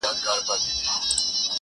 د هارون حکیمي په شاعري کي ناهیلي